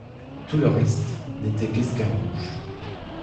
Tout le reste n’était qu’escarmouches.